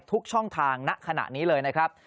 ทุกช่องทางณขณะนี้เลยนะครับ